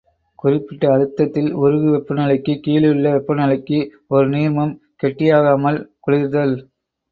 குறிப்பிட்ட அழுத்தத்தில் உருகு வெப்பநிலைக்குக் கீழுள்ள வெப்பநிலைக்கு ஒரு நீர்மம் கெட்டியாகாமல் குளிர்தல்.